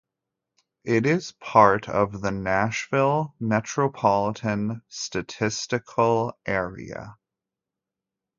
It is part of the Nashville Metropolitan Statistical Area.